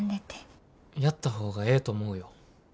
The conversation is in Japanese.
やった方がええと思うよ。